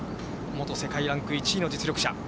元世界ランク１位の実力者。